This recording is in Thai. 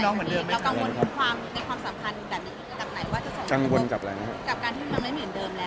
และด้วยความที่เป็นเด็กเราจะต้องประคับตะครูบยังไงต่อไป